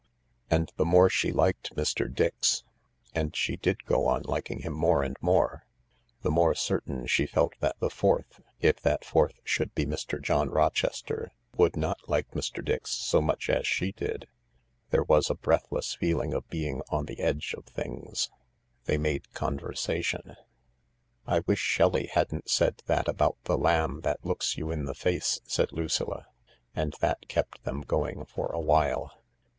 And the more she liked Mr. Dix— and she did go on liking THE LARK 147 him more and more — the more certain she felt that the fourth, if that fourth should be Mr. John Rochester, would not like Mr. Dix so much as she did. There was a breathless feeling of being on the edge of things. They made conversation :" I wish Shelley hadn't said that about the lamb that looks you in the face," said Lucilla. And that kept them going for a while.